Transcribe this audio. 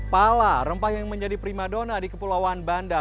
pala rempah yang menjadi prima dona di kepulauan banda